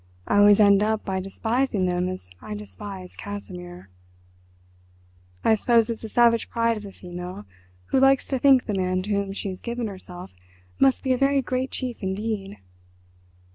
I always end by despising them as I despise Casimir. I suppose it's the savage pride of the female who likes to think the man to whom she has given herself must be a very great chief indeed.